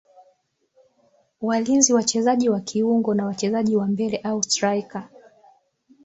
walinzi wachezaji wa kiungo na wachezaji wa mbele au straika